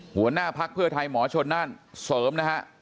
หัวหน้าพักเพื่อไทยหมอชนนั่นเสริมนะฮะ